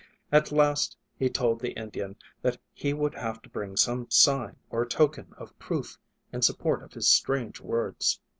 At last he told the Indian that he would have to bring some sign or token of proof in support of his strange words.